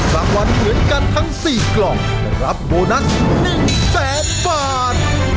และรับโบนัส๑แสนบาท